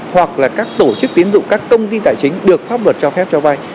hoặc là các tổ chức tiến dụng các công ty tài chính được pháp luật cho phép cho vay